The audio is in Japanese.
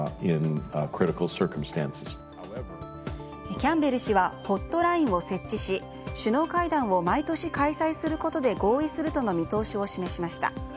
キャンベル氏はホットラインを設置し首脳会談を毎年開催することで合意するとの見通しを示しました。